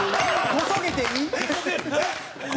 「こそげて」。